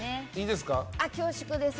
恐縮です。